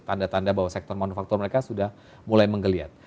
tanda tanda bahwa sektor manufaktur mereka sudah mulai menggeliat